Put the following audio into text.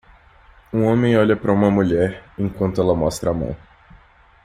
Um homem olha para uma mulher enquanto ela mostra a mão.